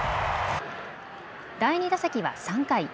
第２打席は３回。